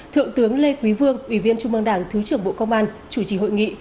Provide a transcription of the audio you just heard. thượng tướng lê quý vương ủy viên trung mương đảng thứ trưởng bộ công an chủ trì hội nghị